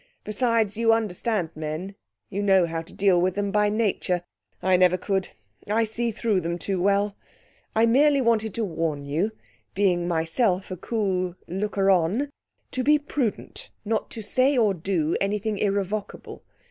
Besides, you understand men; you know how to deal with them by nature I never could. I see through them too well. I merely wanted to warn you being myself a cool looker on to be prudent, not to say or do anything irrevocable.